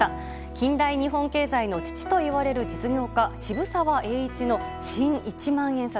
近代日本経済の父といわれる実業家・渋沢栄一の新一万円札。